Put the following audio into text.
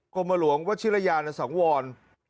กรมหลวงวัชิรยานสังวร